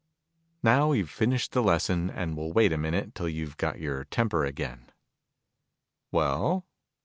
Now we've finished the lesson, and we'll wait a minute, till you've got your temper again. Well?